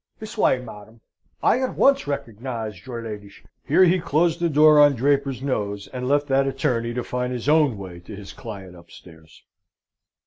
This way, madam! I at once recognised your ladysh " Here he closed the door on Draper's nose, and left that attorney to find his own way to his client upstairs.